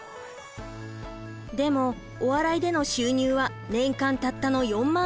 でもお笑いでの収入は年間たったの４万円ほど。